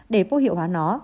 để phô hiệu hóa nó